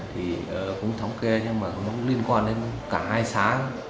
thì cũng thống kê nhưng mà nó cũng liên quan đến cả hai xá